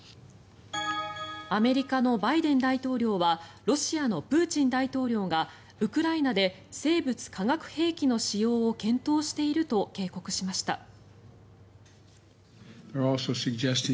アメリカのバイデン大統領はロシアのプーチン大統領がウクライナで生物・化学兵器の使用を検討していると警告しました。